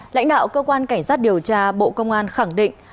lãnh đạo cơ quan cảnh sát điều tra bộ công an khẳng định